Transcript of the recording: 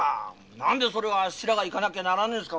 何でそれをあっしらが行かなきゃならねえんですか。